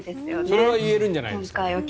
それは言えるんじゃないんですか。